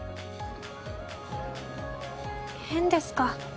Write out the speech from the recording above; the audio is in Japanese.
変ですか？